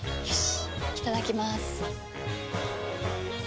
いただきまーす。